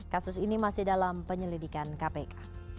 kasus ini masih dalam penyelidikan kpk